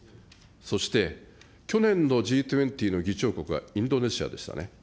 そして、去年のＧ２０の議長国はインドネシアでしたね。